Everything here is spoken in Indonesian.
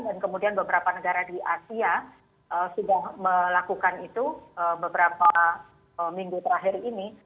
kemudian beberapa negara di asia sudah melakukan itu beberapa minggu terakhir ini